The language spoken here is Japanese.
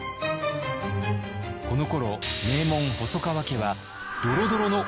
このころ名門細川家はドロドロのお家騒動